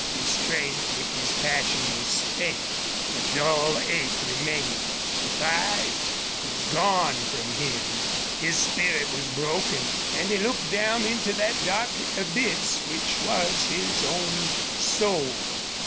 His strength with his passion was spent. A dull ache remained. The fight was gone from him. His spirit was broken. And he looked down into that dark abyss which was his own soul.